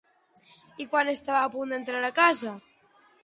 I quan estava a punt d'entrar a casa?